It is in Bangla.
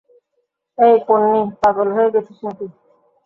এই পোন্নি, পাগল হয়ে গেছিস নাকি?